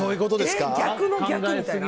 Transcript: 逆の逆みたいな？